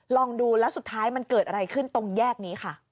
ลองดูแล้วสุดท้ายมันเกิดอะไรคืน